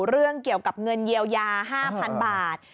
เรื่องเกี่ยวกับเงินเยียวยา๕๐๐๐บาท